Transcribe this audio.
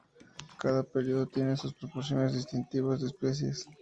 Cada período tiene sus proporciones distintivas de especies.